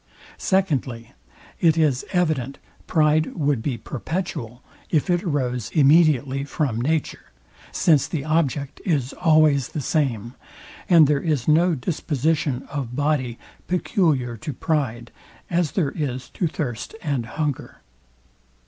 SECONDLY, it is evident pride would be perpetual, if it arose immediately from nature; since the object is always the same, and there is no disposition of body peculiar to pride, as there is to thirst and hunger.